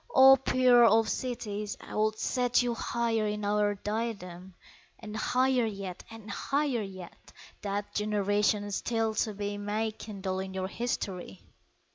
O Pearl of Cities! I would set You higher in our diadem, And higher yet and higher yet, That generations still to be May kindle at your history!